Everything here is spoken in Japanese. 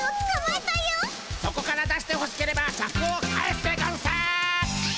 そこから出してほしければシャクを返すでゴンス！